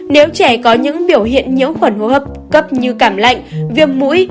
nếu trẻ có những biểu hiện nhiễm khuẩn hô hấp cấp như cảm lạnh viêm mũi